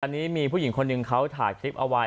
อันนี้มีผู้หญิงคนหนึ่งเขาถ่ายคลิปเอาไว้